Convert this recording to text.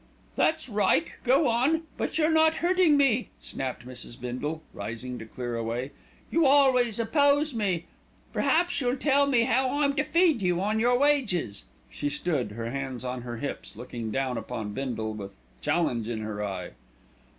"That's right, go on; but you're not hurting me," snapped Mrs. Bindle, rising to clear away. "You always oppose me, perhaps you'll tell me how I'm to feed you on your wages." She stood, her hands on her hips, looking down upon Bindle with challenge in her eye.